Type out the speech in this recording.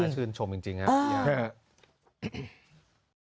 น่าชื่นชมจริงอ่ะ